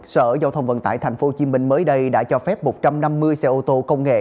sở giao thông vận tải tp hcm mới đây đã cho phép một trăm năm mươi xe ô tô công nghệ